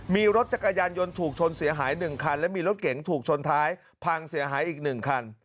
มีรถจักรยานยนต์ถูกชนเสียหาย๑คันและมีรถเก๋งถูกชนท้ายพังเสียหายอีก๑คัน